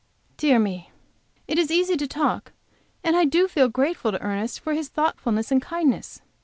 Dear me I it is easy to talk, and I do feel grateful to Ernest for his thoughtfulness and kindness.